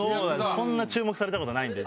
こんな注目された事ないんで。